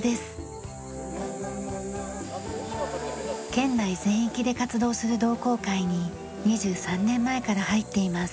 県内全域で活動する同好会に２３年前から入っています。